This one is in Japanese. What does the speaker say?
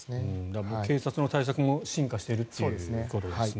もう警察の対策も進化しているということですね。